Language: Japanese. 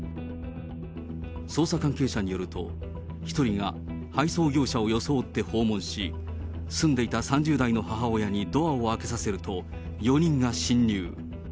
捜査関係者によると、１人が配送業者を装って訪問し、住んでいた３０代の母親にドアを開けさせると、４人が侵入。